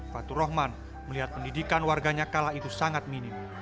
patu rohman melihat pendidikan warganya kalah itu sangat minim